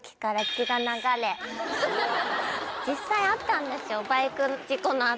実際あったんですよ。